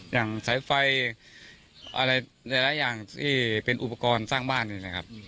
สายไฟอะไรหลายอย่างที่เป็นอุปกรณ์สร้างบ้านเนี่ยนะครับ